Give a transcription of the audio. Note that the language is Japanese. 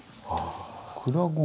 「蔵米」？